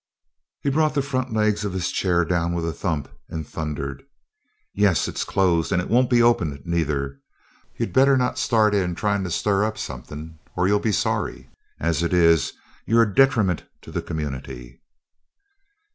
He brought the front legs of his chair down with a thump and thundered: "Yes it's closed, and it won't be opened, neither! You'd better not start in tryin' to stir up somethin', or you'll be sorry as it is, you're a detriment to the community!"